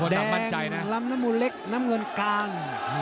แดงลำน้ำมูเล็กน้ำเงินกลาง